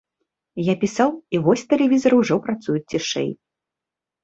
Я пісаў, і вось тэлевізары ўжо працуюць цішэй.